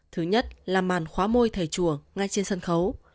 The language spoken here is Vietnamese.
thứ nhất là màn khóa môi thầy chùa ngay trên sân khấu